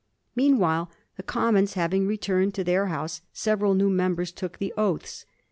Meanwhile, the Commons having returned to their House, several new members took the oaths.